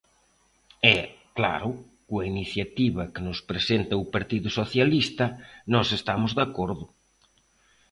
E, claro, coa iniciativa que nos presenta o Partido Socialista nós estamos de acordo.